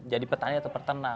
jadi petani atau petanak